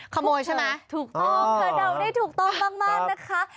ขโมยใช่ไหมถูกต้องเธอเดาได้ถูกต้องมากนะคะ